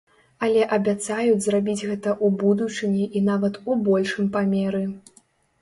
Але абяцаюць зрабіць гэта ў будучыні і нават у большым памеры.